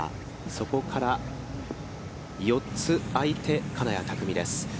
そこから４つあいて金谷拓実です。